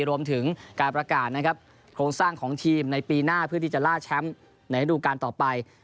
รวมถึงการประกาศนะครับโครงสร้างของทีมในปีหน้าเพื่อที่จะล่าแชมป์ในระดูการต่อไป